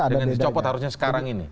dengan dicopot harusnya sekarang ini